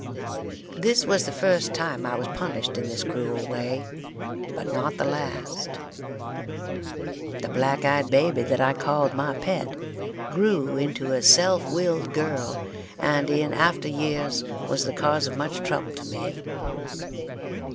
This was the first time I was punished in this cruel way, but not the last. The black eyed baby that I called my pet grew into a self willed girl, and in after years was the cause of much trouble to me.